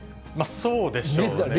そうでしょうね。